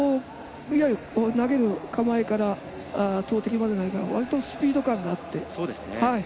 投げる構えから投てきまでの間がわりとスピード感があって。